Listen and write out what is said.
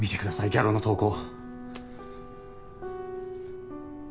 ギャロの投稿